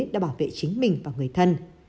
để bảo vệ chính mình và người thân